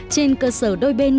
trên cơ sở đôi bên